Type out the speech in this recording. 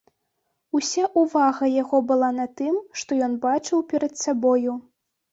Уся ўвага яго была на тым, што ён бачыў перад сабою.